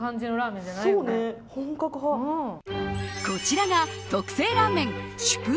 こちらが特製ラーメン